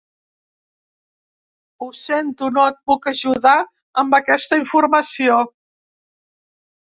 Ho sento, no et puc ajudar amb aquesta informació.